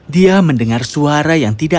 dia mendengar suara yang tidak